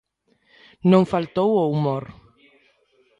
Non faltou o humor.